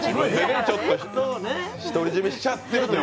ちょっと独り占めしちゃってるという。